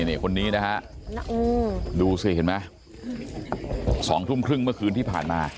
นี่คนนี้นะฮะดูสิเห็นไหม๒ทุ่มครึ่งเมื่อคืนที่ผ่านมา